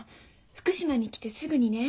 福島に来てすぐにね